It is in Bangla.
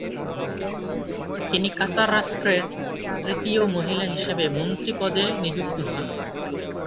তিনি কাতার রাষ্ট্রের তৃতীয় মহিলা হিসেবে মন্ত্রী পদে নিযুক্ত হন।